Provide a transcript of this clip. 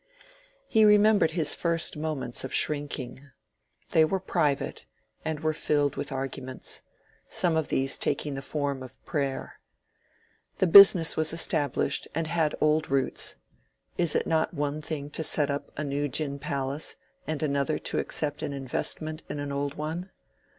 He remembered his first moments of shrinking. They were private, and were filled with arguments; some of these taking the form of prayer. The business was established and had old roots; is it not one thing to set up a new gin palace and another to accept an investment in an old one?